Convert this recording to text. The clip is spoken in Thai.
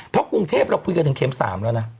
เพราะกรุงเทพเราคุยกันถึงเข็ม๓แล้วนะ